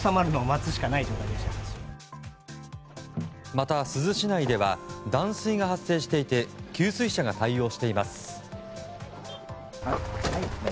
また、珠洲市内では断水が発生していて給水車が対応しています。